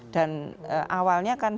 dan awalnya kan